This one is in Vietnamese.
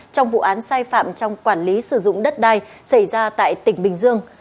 trong vụ án sai phạm trong quản lý sử dụng đất đai xảy ra tại tỉnh bình dương